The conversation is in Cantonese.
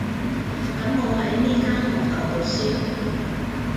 等我喺呢間學校讀書